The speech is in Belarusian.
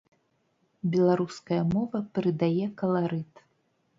Беларуская мова прыдае каларыт.